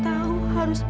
terima kasih gitu